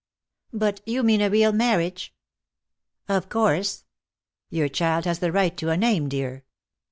"But you mean a real marriage?" "Of course. Your child has the right to a name, dear.